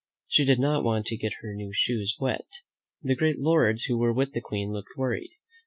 She did not want to get her new shoes wet. The great lords who were with the Queen looked worried.